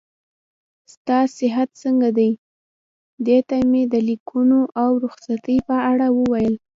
ستا صحت څنګه دی؟ دې ته مې د لیکونو او رخصتۍ په اړه وویل.